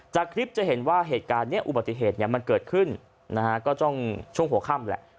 จากคลิปจะเห็นว่าเหตุการณ์นี้อุบัติเหตุมันเกิดขึ้นนะฮะก็ต้องช่วงหัวค่ำแหละ